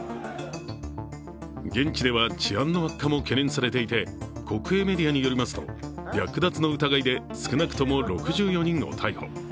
現地では治安の悪化も懸念されていて国営メディアによりますと略奪の疑いで少なくとも６４人を逮捕。